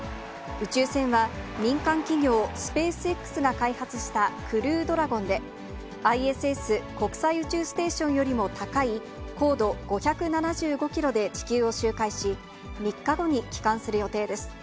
宇宙船は民間企業、スペースＸが開発したクルードラゴンで、ＩＳＳ・国際宇宙ステーションよりも高い高度５７５キロで地球を周回し、３日後に帰還する予定です。